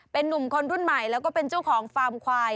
เป็นนุ่มคนรุ่นใหม่แล้วก็เป็นเจ้าของฟาร์มควาย